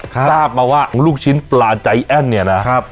ทราบมาว่าลูกชิ้นปลาใจแอ้นเนี่ยนะครับ